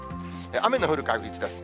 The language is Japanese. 雨の降る確率です。